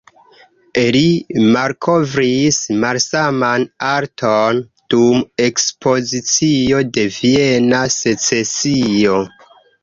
Li malkovris malsaman arton dum ekspozicio de Viena Secesio.